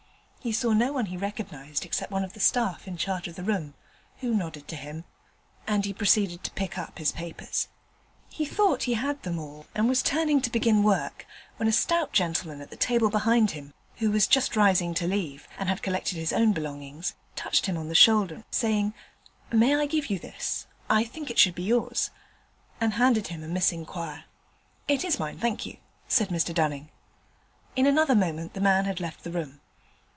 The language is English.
He saw no one he recognized except one of the staff in charge of the room, who nodded to him, and he proceeded to pick up his papers. He thought he had them all, and was turning to begin work, when a stout gentleman at the table behind him, who was just rising to leave, and had collected his own belongings, touched him on the shoulder, saying, 'May I give you this? I think it should be yours,' and handed him a missing quire. 'It is mine, thank you,' said Mr Dunning. In another moment the man had left the room.